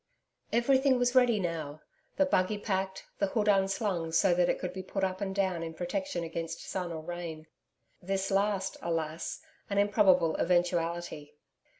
Everything was ready now the buggy packed, the hood unslung so that it could be put up and down in protection against sun or rain this last alas! an improbable eventuality.